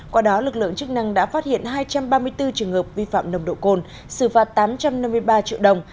qua đó lực lượng chức năng đã phát hiện hai trăm ba mươi bốn trường hợp vi phạm nồng độ cồn xử phạt tám trăm năm mươi ba triệu đồng